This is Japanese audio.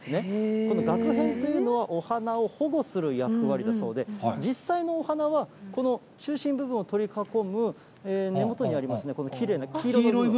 このがく片というのは、お花を保護する役割だそうで、実際のお花は、この中心部分を取り囲む、根元にありますね、このきれいな黄色い部分。